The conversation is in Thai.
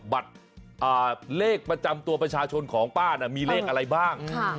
บัตรเลขประจำตัวประชาชนของป้าน่ะมีเลขอะไรบ้าง